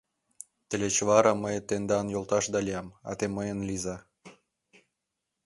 Тылеч вара мый тендан йолташда лиям, а те мыйын лийза.